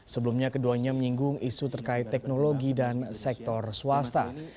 sebelumnya keduanya menyinggung isu terkait teknologi dan sektor swasta